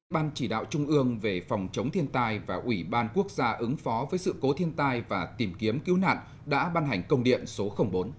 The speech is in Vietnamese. ban chỉ đạo trung ương về phòng chống thiên tai và ủy ban quốc gia ứng phó với sự cố thiên tai và tìm kiếm cứu nạn đã ban hành công điện số bốn